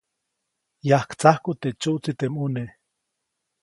Yajtsajku teʼ tsuʼtsi teʼ mʼuneʼ.